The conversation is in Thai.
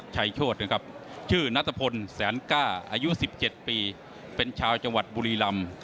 โชธนะครับชื่อนัทพลแสนกล้าอายุ๑๗ปีเป็นชาวจังหวัดบุรีลำ